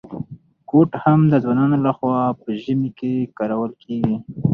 کوټ هم د ځوانانو لخوا په ژمي کي کارول کیږي.